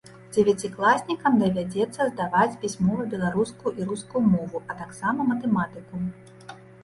Дзевяцікласнікам давядзецца здаваць пісьмова беларускую і рускую мовы, а таксама матэматыку.